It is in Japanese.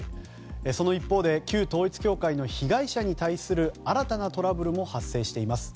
その一方で旧統一教会の被害者に対する新たなトラブルも発生しています。